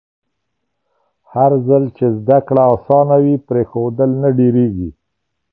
هرځل چې زده کړه اسانه وي، پرېښودل نه ډېرېږي.